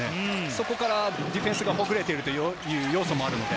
そこからディフェンスがほぐれているという要素もあるので。